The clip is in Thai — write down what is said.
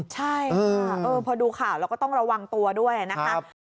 ใช่ค่ะพอดูข่าวเราก็ต้องระวังตัวด้วยนะครับ